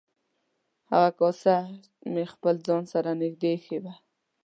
هغه کاسه مې خپل ځان سره نږدې ایښې وه.